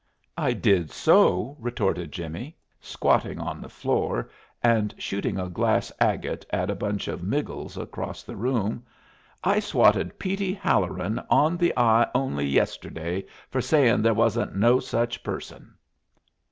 "I did so!" retorted Jimmie, squatting on the floor and shooting a glass agate at a bunch of miggles across the room. "I swatted Petey Halloran on the eye on'y yesterday for sayin' they wasn't no such person."